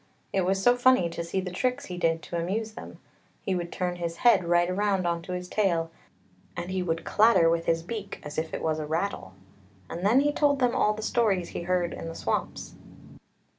It was so funny to see the tricks he did to amuse them; he would turn his head right round on to his tail, and he would clatter with his beak, as if it was a rattle. And then he told them all the stories he heard in the swamps.